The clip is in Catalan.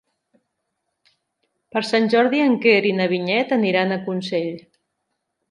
Per Sant Jordi en Quer i na Vinyet aniran a Consell.